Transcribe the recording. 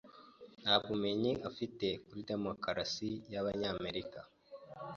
Nta bumenyi afite kuri demokarasi y'Abanyamerika.